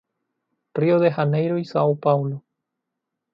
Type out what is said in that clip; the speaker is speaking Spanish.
Rio de Janeiro y São Paulo.